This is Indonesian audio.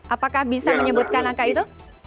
apakah bisa menyebutkan angka itu